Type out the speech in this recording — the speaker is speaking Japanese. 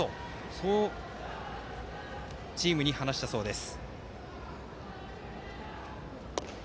そうチームに話したそうです。